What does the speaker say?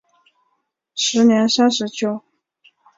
时年三十九。